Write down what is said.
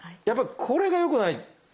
やっぱりこれがよくない。